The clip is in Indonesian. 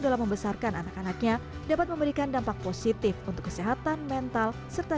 dalam membesarkan anak anaknya dapat memberikan dampak positif untuk kesehatan mental serta